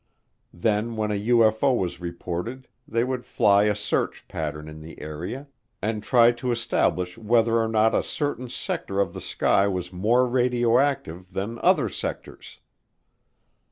Then when a UFO was reported they would fly a search pattern in the area and try to establish whether or not a certain sector of the sky was more radioactive than other sectors.